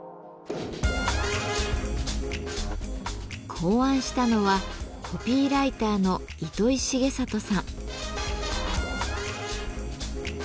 考案したのはコピーライターの糸井重里さん。